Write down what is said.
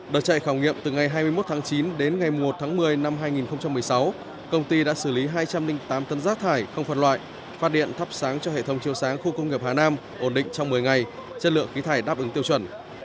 đợt chạy khảo nghiệm từ ngày hai mươi một tháng chín đến ngày một tháng một mươi năm hai nghìn một mươi sáu công ty đã xử lý hai trăm linh tám tấn rác thải không phân loại phát điện thắp sáng cho hệ thống chiêu sáng khu công nghiệp hà nam ổn định trong một mươi ngày chất lượng khí thải đáp ứng tiêu chuẩn